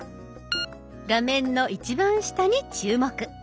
画面の一番下に注目。